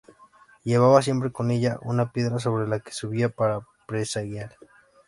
Llevaba siempre con ella una piedra sobre la que se subía para presagiar.